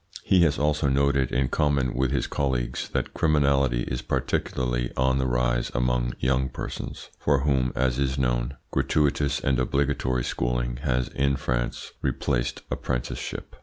He has also noted in common with his colleagues that criminality is particularly on the increase among young persons, for whom, as is known, gratuitous and obligatory schooling has in France replaced apprenticeship.